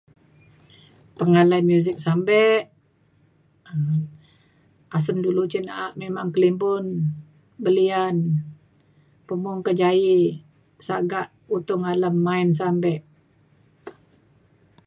Penganan music sampe asen ulu cin na'a memang kelimbun belian pemung kejaie saga utung alem main sampe.